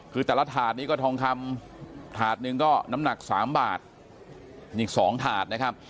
คือแต่ละถาดนี้ก็ทองคำถาดหนึ่งก็น้ำหนัก๓บาทอีก๒ถาดนะครับ